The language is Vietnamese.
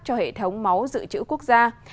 cho hệ thống máu dự trữ quốc gia